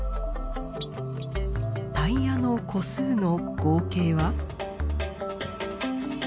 タイヤの個数の合計は？